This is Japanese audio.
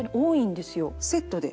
セットで？